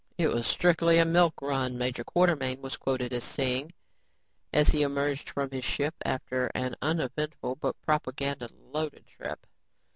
"It was strictly a milk run," Major Quartermain was quoted as saying as he emerged from his ship after an uneventful but propaganda loaded trip.